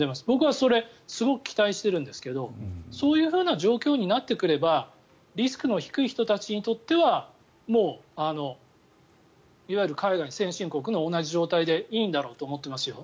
僕はそれすごく期待しているんですけどそういう状況になってくればリスクの低い人たちにとってはもういわゆる海外の先進国と同じ状態でいいんだろうと思ってます。